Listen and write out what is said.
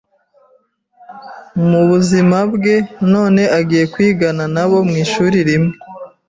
mu buzima bwe none agiye kwigana na bo mu ishuri rimwe